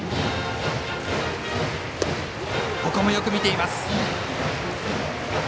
ここもよく見ています。